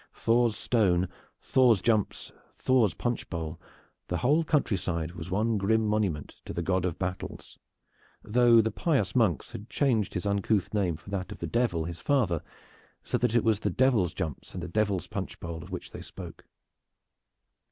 Thor's stone, Thor's jumps, Thor's punch bowl the whole country side was one grim monument to the God of Battles, though the pious monks had changed his uncouth name for that of the Devil his father, so that it was the Devil's jumps and the Devil's punch bowl of which they spoke.